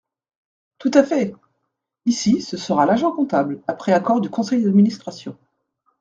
Tout à fait ! Ici, ce sera l’agent comptable, après accord du conseil d’administration.